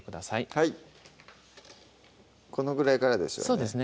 はいこのぐらいからですよね